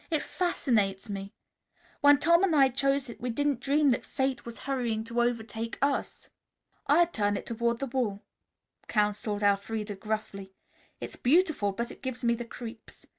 It fascinates me. When Tom and I chose it, we didn't dream that Fate was hurrying to overtake us." "I'd turn it toward the wall," counseled Elfreda gruffly. "It's beautiful, but it gives me the creeps.